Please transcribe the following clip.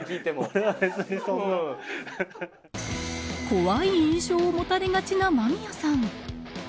怖い印象を持たれがちな間宮さん。